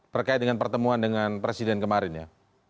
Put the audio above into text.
terkait dengan pertemuan dengan presiden kemarin ya